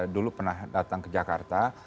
dulu pernah datang ke jakarta